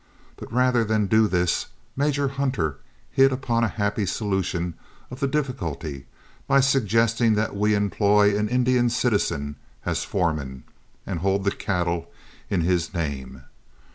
But rather than do this, Major Hunter hit upon a happy solution of the difficulty by suggesting that we employ an Indian citizen as foreman, and hold the cattle in his name.